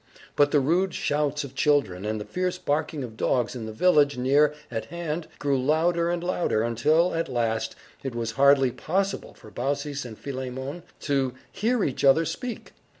But the rude shouts of children, and the fierce barking of dogs, in the village near at hand, grew louder and louder, until, at last, it was hardly possible for Baucis and Philemon to hear each other speak.